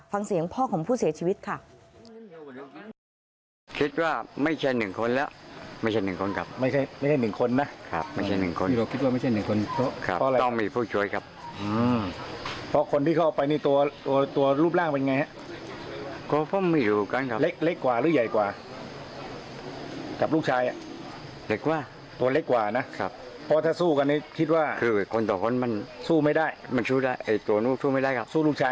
ฟังเสียงพ่อของผู้เสียชีวิตค่ะ